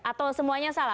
atau semuanya salah